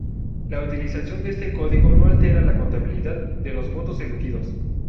La utilización de este código no altera la contabilidad de los votos emitidos.